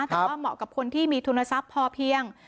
แต่ว่าเหมาะกับคนที่มีทุนทรัพย์พอเพียง